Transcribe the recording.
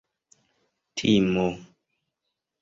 timo